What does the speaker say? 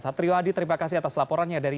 satrio adi terima kasih atas laporannya dari